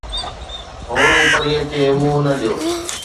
هورو پريءَ کي منهن نه ڏيو